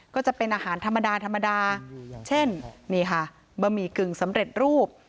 ก็จะเป็นอาหารธรรมดาธรรมดาเช่นนี่ค่ะบะหมี่กึ่งสำเร็จรูป